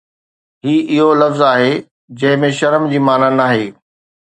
هي اهو لفظ آهي جنهن ۾ شرم جي معنيٰ ناهي